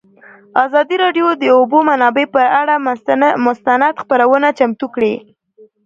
ازادي راډیو د د اوبو منابع پر اړه مستند خپرونه چمتو کړې.